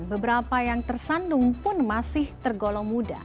beberapa yang tersandung pun masih tergolong muda